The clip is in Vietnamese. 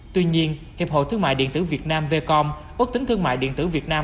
tuy nhiên hiệp hội thương mại điện tử việt nam vcom ước tính thương mại điện tử việt nam